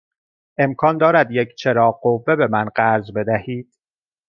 امکان دارد یک چراغ قوه به من قرض بدهید؟